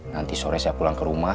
nanti sore saya pulang ke rumah